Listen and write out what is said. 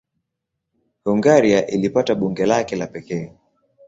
Hungaria ilipata bunge lake la pekee.